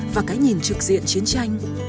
và cái nhìn trực diện chiến tranh